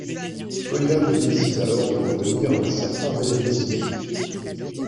Feuillade décide alors de revenir à un certain réalisme.